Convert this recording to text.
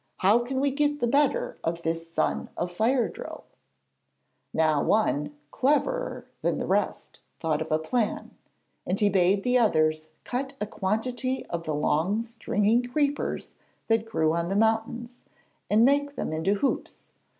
'How can we get the better of this son of Fire drill?' Now one, cleverer than the rest, thought of a plan, and he bade the others cut a quantity of the long stringy creepers that grow on the mountains, and make them into hoops.